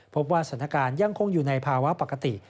พบว่าสถานการณ์ยังคงอยู่ในภาวะปกติ